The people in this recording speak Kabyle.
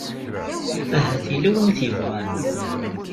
Ahat yella win i t-yebɣan.